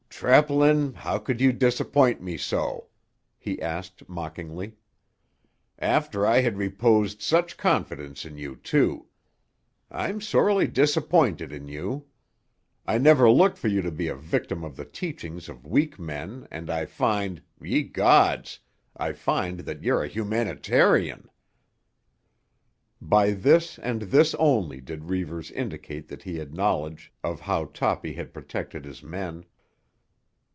"Treplin, how could you disappoint me so?" he asked mockingly. "After I had reposed such confidence in you, too! I'm sorely disappointed in you. I never looked for you to be a victim of the teachings of weak men and I find—ye gods! I find that you're a humanitarian!" By this and this only did Reivers indicate that he had knowledge of how Toppy had protected his men.